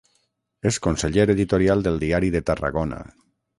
És Conseller Editorial del Diari de Tarragona.